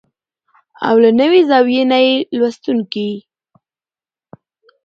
او له نوې زاويې نه يې لوستونکي